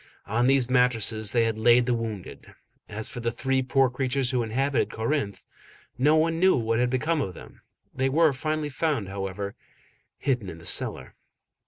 On these mattresses they had laid the wounded. As for the three poor creatures who inhabited Corinthe, no one knew what had become of them. They were finally found, however, hidden in the cellar.